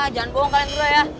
jangan bohong kalian berdua ya